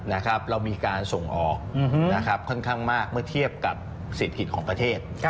เรามีการส่งออกค่อนข้างมากเมื่อเทียบกับเศรษฐกิจของประเทศ